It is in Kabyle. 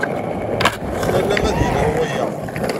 Nnan-am ad yeḍru waya.